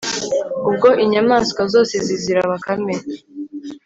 ubwo inyamaswa zose zizira bakame